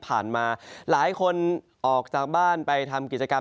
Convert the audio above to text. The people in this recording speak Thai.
มาหลายคนออกจากบ้านไปทำกิจกรรม